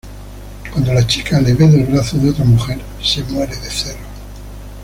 Cuando la chica le ve del brazo de otra mujer, se muere de celos.